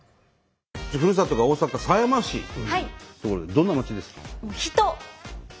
ふるさとが大阪狭山市という所でどんな町ですか？